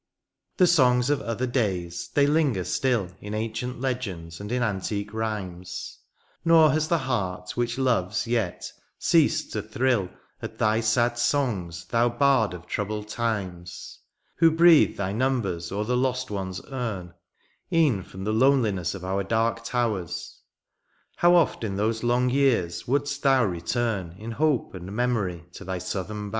The songs of other days — ^they linger still In ancient l^ends and in antique rhymes ; Nor has the heart which loves yet ceased to thrill At thy sad songs, thou bard of troubled times ;* Who breathed thy numbers o'er the lost one's um E'en from the loneliness of our dark towers ; How oft in those long years would'st thou return In hope, and memory, to thy southern bowers